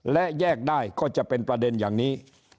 และแยกได้ก็จะเป็นประเด็นอย่างนี้